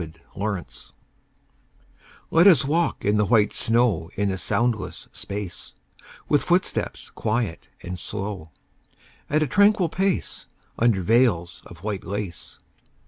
VELVET SHOES Let us walk in the white snow In a soundless space; With footsteps quiet and slow, At a tranquil pace, Under veils of white lace.